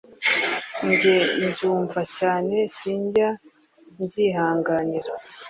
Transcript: njye mbyumva cyane sinjya mbyihanganira